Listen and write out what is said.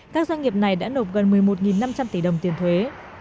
các doanh nghiệp này đã nộp gần một mươi một năm trăm linh tỷ đồng tiền thuế